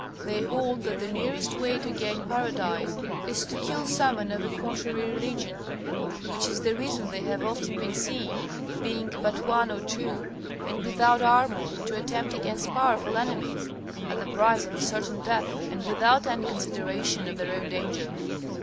They hold that the nearest way to gain Paradise is to kill some one of a contrary religion; which is the reason they have often been seen, being but one or two, and without armour, to attempt against powerful enemies, at the price of a certain death and without any consideration of their own danger.